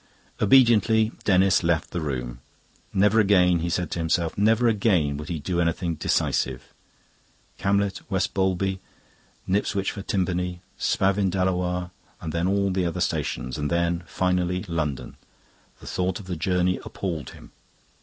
Obediently Denis left the room. Never again, he said to himself, never again would he do anything decisive. Camlet, West Bowlby, Knipswich for Timpany, Spavin Delawarr; and then all the other stations; and then, finally, London. The thought of the journey appalled him.